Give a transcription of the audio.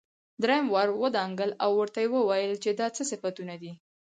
دريم ور ودانګل او ورته يې وويل چې دا څه صفتونه دي.